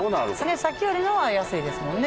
さっきよりは安いですもんね。